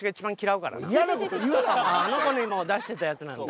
「あの子にも出してたやつなんだ」。